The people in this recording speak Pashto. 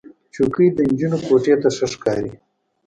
چوکۍ د نجونو کوټې ته ښه ښکاري.